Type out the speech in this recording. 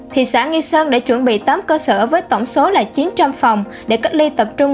thị xã nghi sơn đã chuẩn bị tám cơ sở với tổng số là chín trăm linh phòng để cách ly tập trung